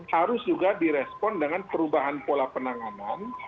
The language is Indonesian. harus juga direspon dengan perubahan pola penanganan